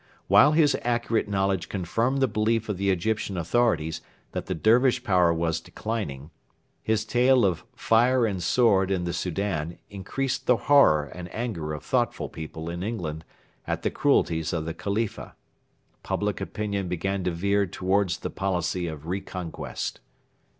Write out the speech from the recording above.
While his accurate knowledge confirmed the belief of the Egyptian authorities that the Dervish power was declining, his tale of 'Fire and Sword in the Soudan' increased the horror and anger of thoughtful people in England at the cruelties of the Khalifa. Public opinion began to veer towards the policy of re conquest.